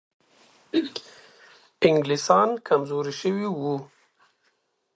انګلیسان کمزوري شوي وو.